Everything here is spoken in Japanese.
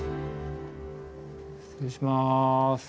失礼します。